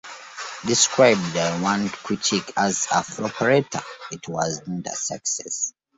Described by one critic as a "floperetta," it was not a success.